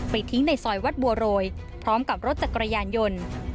ทิ้งในซอยวัดบัวโรยพร้อมกับรถจักรยานยนต์